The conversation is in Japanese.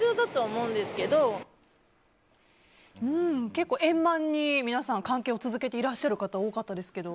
結構円満に皆さん関係を続けていらっしゃる方が多かったですけど。